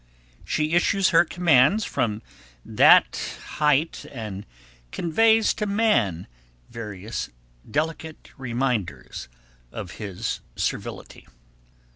She issues her commands from that height and conveys to man various delicate reminders of his servility.